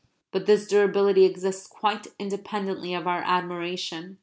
But this durability exists quite independently of our admiration.